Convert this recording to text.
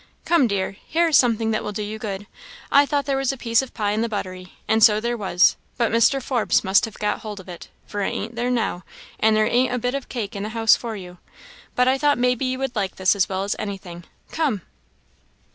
"Come, dear here is something that will do you good. I thought there was a piece of pie in the buttery, and so there was, but Mr. Forbes must have got hold of it, for it ain't there now; and there ain't a bit of cake in the house for you; but I thought maybe you would like this as well as anything. Come!"